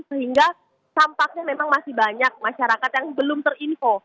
sehingga tampaknya memang masih banyak masyarakat yang belum terinfo